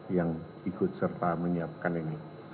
yang ikut serta menyiapkan ini